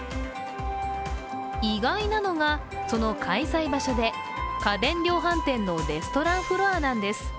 意外なのが、その開催場所で家電量販店のレストランフロアなんです。